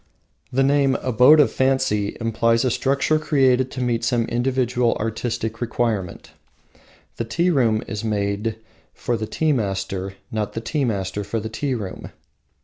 The name, Abode of Fancy, implies a structure created to meet some individual artistic requirement. The tea room is made for the tea master, not the tea master for the tea room.